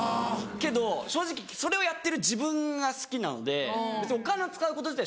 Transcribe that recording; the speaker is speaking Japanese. けど正直それをやってる自分が好きなのでお金を使うこと自体